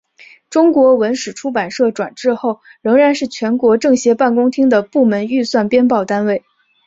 中国文史出版社转制后仍然是全国政协办公厅的部门预算编报单位。